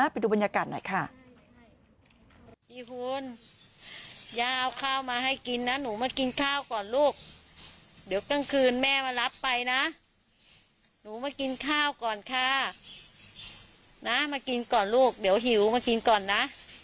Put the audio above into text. ไปดูบรรยากาศหน่อยค่ะ